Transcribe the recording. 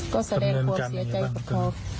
ก็แสดงความเสียใจกับเขา